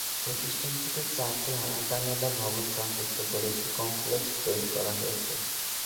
প্রতিষ্ঠানটিতে চারটি আলাদা আলাদা ভবন সংযুক্ত করে একটি কমপ্লেক্স তৈরি করা হয়েছে।